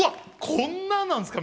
こんななんすか！？